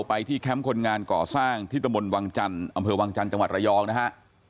ไปที่แคมป์คนงานก่อสร้างที่ตะมนต์วังจันทร์อำเภอวังจันทร์จังหวัดระยองนะฮะ